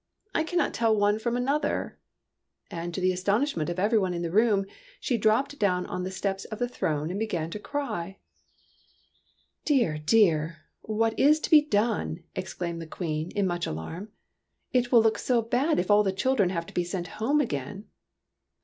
" I cannot tell one from another." And to the astonishment of every one in the room, she dropped down on the steps of the throne and began to cry. '' Dear, dear ! What is to be done ?" ex claimed the Queen, in much alarm. " It will look so very bad if all the children have to be sent home again